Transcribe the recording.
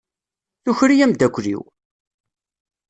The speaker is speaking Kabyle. Tuker-iyi amdakel-iw!